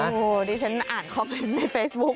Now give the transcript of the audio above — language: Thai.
ตัวนี้ฉันอ่านคอมเมน์ในเฟซบุ๊ค